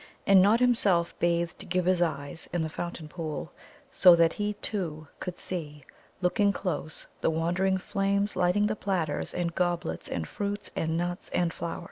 And Nod himself bathed Ghibba's eyes in the fountain pool, so that he, too, could see, looking close, the wandering flames lighting the platters and goblets and fruits and nuts and flowers.